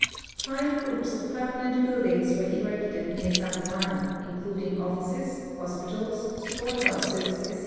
Five groU])S of ])erman('nt buildings were erected near San Juan, ineluding olliees, hospitals, storehouses, etc.